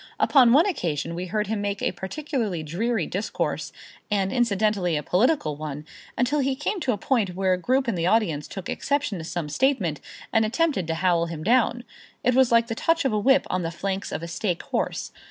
Upon one occasion we heard him make a particularly dreary discourse, and incidentally a political one, until he came to a point where a group in the audience took exception to some statement and attempted to howl him down. It was like the touch of a whip on the flanks of a stake horse.